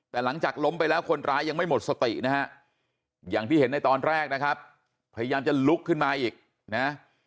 แต่หลังจากล้มไปแล้วคนร้ายยังไม่หมดสตินะฮะอย่างที่เห็นในตอนแรกนะครับพยายามจะลุกขึ้นมาอีกนะ